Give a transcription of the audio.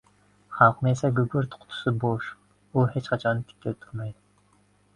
Xalqni esa gugurt qutisi boʻsh, u hech qachon tikka turmaydi.